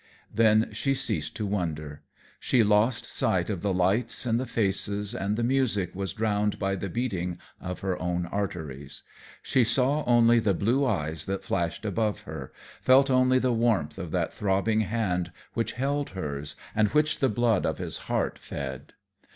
Then she ceased to wonder. She lost sight of the lights and the faces, and the music was drowned by the beating of her own arteries. She saw only the blue eyes that flashed above her, felt only the warmth of that throbbing hand which held hers and which the blood of his heart fed.